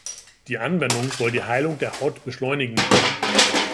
Die Anwendung soll die Heilung der Haut beschleunigen.